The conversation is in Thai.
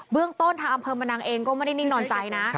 เรื่องต้นทางอำเภอมะนังเองก็ไม่ได้นิ่งนอนใจนะ